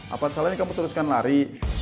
apa salahnya kamu teruskan lari